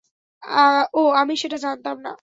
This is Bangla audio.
ও, আমি সেটা জানতাম না।